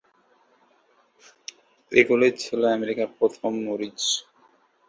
এগুলোই ছিল আমেরিকার প্রথম মরিচ।